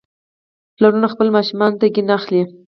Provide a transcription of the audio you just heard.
پلارونه خپلو ماشومانو ته توپ اخلي.